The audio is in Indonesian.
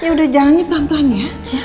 ya udah jalannya pelan pelan ya